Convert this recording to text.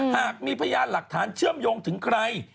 หากมีพยานหลักฐานเชื่อมโยงถึงใคร